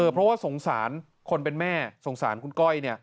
เพราะว่าสงสารคนเป็นแม่สงสารคุณก้อย